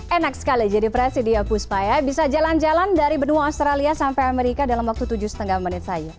enak sekali jadi prasidya puspa ya bisa jalan jalan dari benua australia sampai amerika dalam waktu tujuh lima menit saja